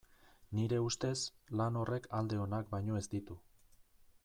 Nire ustez, lan horrek alde onak baino ez ditu.